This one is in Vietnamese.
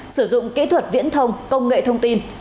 sử dụng kỹ thuật viễn thông công nghệ thông tin